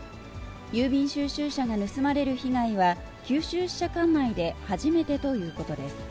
郵便収集車が盗まれる被害は、九州支社管内で初めてということです。